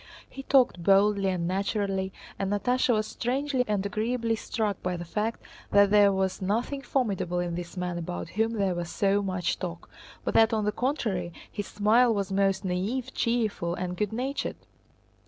He talked boldly and naturally, and Natásha was strangely and agreeably struck by the fact that there was nothing formidable in this man about whom there was so much talk, but that on the contrary his smile was most naïve, cheerful, and good natured.